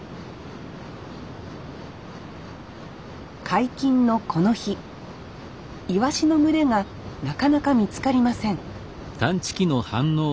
解禁のこの日イワシの群れがなかなか見つかりません